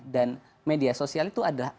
dan media sosial itu adalah